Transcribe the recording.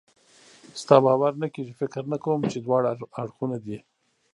ستا باور نه کېږي؟ فکر نه کوم چې دواړه اړخونه دې.